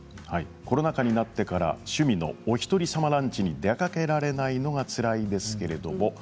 コロナ禍になってから趣味のお一人様ランチに出かけられないのがつらいですけれども。